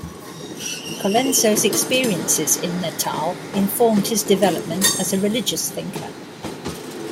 Colenso's experiences in Natal informed his development as a religious thinker.